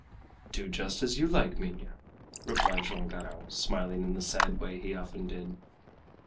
"Do just as you like, Minha," replied Joam Garral, smiling in the sad way he often did.